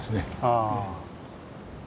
ああ。